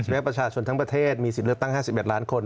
แม้ประชาชนทั้งประเทศมีสิทธิ์เลือกตั้ง๕๑ล้านคน